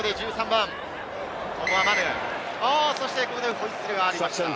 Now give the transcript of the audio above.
ここでホイッスルがありました。